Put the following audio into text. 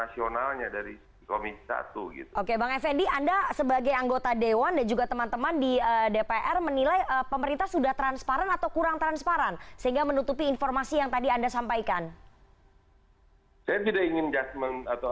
sampai ke tahap tingkat